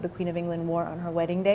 queen of england pada hari pernikahannya